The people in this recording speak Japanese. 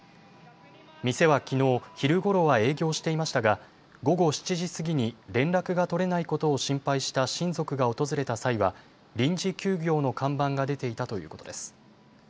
店はきのう昼ごろは営業していましたが午後７時過ぎに連絡が取れないことを心配した親族が訪れた際は臨時休業の看板が出ていたということです。